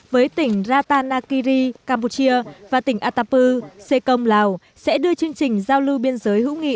với tỉnh ratanakiri campuchia và tỉnh atapu sê công lào sẽ đưa chương trình giao lưu biên giới hữu nghị